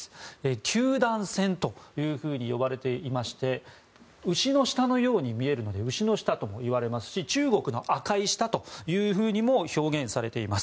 九段線というふうに呼ばれていまして牛の舌のように見えるので牛の舌とも呼ばれますし中国の赤い舌というふうにも表現されています。